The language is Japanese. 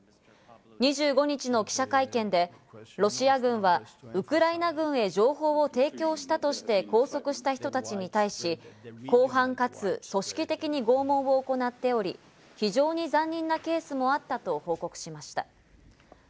２５日の記者会見で、ロシア軍はウクライナ軍へ情報を提供したとして拘束した人たちに対し、広範かつ組織的に拷問を行っており、非常に残忍なケースもあったと報告しました。